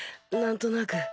何となく。